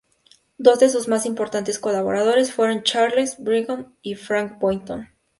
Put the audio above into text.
Dos de sus más importantes colaboradores fueron Charles L. Boynton y Frank E. Boynton.